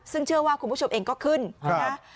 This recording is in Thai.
ซึ่งเชื่อว่าคุณผู้ชมเองก็ขึ้นนะ